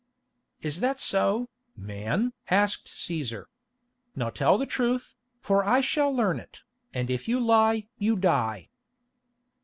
"Is that so, man?" asked Cæsar. "Now tell the truth, for I shall learn it, and if you lie you die."